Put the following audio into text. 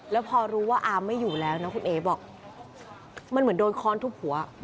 แล้วพอรู้ว่าอาร์มไม่อยู่แล้วนะคุณเอ๋บอกมันเหมือนโดนค้อนทุบหัว